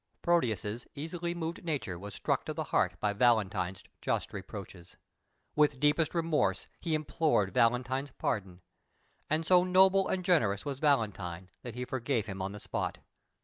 Proteus's easily moved nature was struck to the heart by Valentine's just reproaches. With deepest remorse, he implored Valentine's pardon, and so noble and generous was Valentine that he forgave him on the spot.